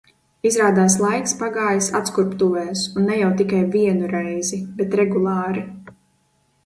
Izrādās laiks pagājis atskurbtuvēs un ne jau tikai vienu reizi, bet regulāri.